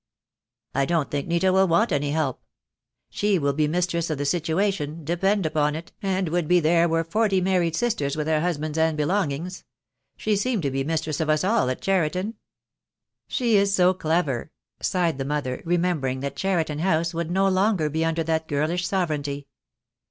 "I don't think Nita will want any help. She will be mistress of the situation, depend upon it, and would be if there were forty married sisters with their husbands and belongings. She seemed to be mistress of us all at Cheriton?" "She is so clever," sighed the mother, remembering that Cheriton House would no longer be under that girlish sovereignty.